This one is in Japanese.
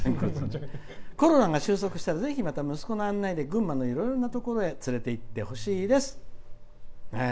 コロナが終息したら息子の案内で群馬のいろいろなところへ連れて行ってほしいです」。